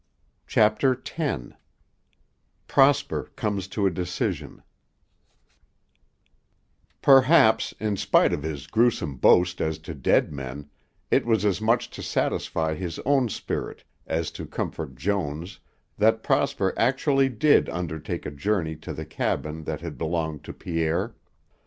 CHAPTER X PROSPER COMES TO A DECISION Perhaps, in spite of his gruesome boast as to dead men, it was as much to satisfy his own spirit as to comfort Joan's that Prosper actually did undertake a journey to the cabin that had belonged to Pierre.